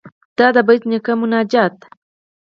ددبېټ نيکه مناجات.